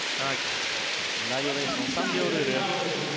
バイオレーション３秒ルールです。